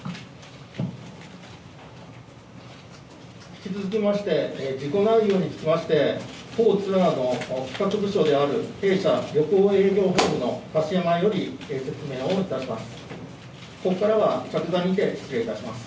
引き続きまして、事故内容につきまして、当ツアーの企画部署である弊社旅行営業本部のより、説明をいたします。